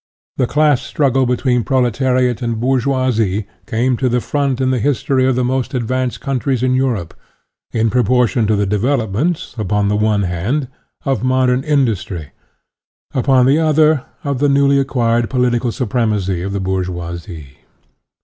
The class struggle between proletariat and bourgeoisie came to the front in the history of the most advanced countries in Europe, in proportion to the development, upon the one hand, of modern industry, upon the other, of the newly acquired political supremacy of the bourgeoisie.